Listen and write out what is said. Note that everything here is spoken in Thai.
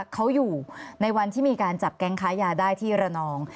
เขาอยู่ในวันที่มีการจับแก๊งค้ายาได้ที่ระนอง